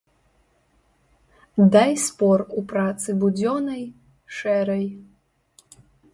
Дай спор у працы будзённай, шэрай.